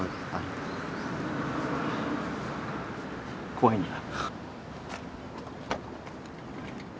怖いんだ？